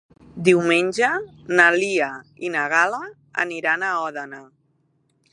Diumenge na Lia i na Gal·la aniran a Òdena.